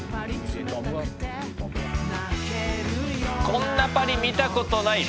こんなパリ見たことない！